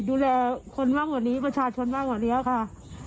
รู้สึกว่าดีเลยค่ะ